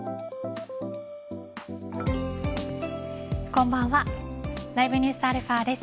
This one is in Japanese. こんばんは。